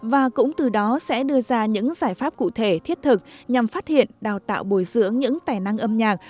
và cũng từ đó sẽ đưa ra những giải pháp cụ thể thiết thực nhằm phát hiện đào tạo bồi dưỡng những tài năng âm nhạc